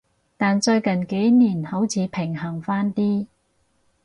但最近幾年好似平衡返啲